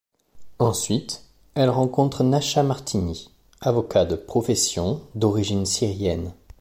Ensuite, elle rencontre Nachat Martini, avocat de profession d'origine syrienne.